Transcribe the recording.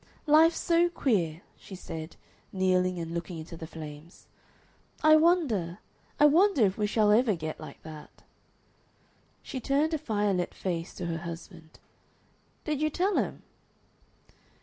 "Life's so queer," she said, kneeling and looking into the flames. "I wonder I wonder if we shall ever get like that." She turned a firelit face to her husband. "Did you tell him?"